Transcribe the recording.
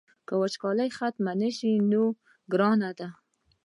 که وچکالي ختمه نه شي نو ګرانه ده.